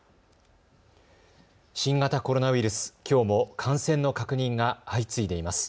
新型コロナウイルス、きょうも感染の確認が相次いでいます。